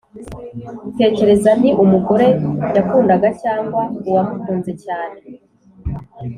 tekereza, ni umugore yakundaga, cyangwa uwamukunze cyane?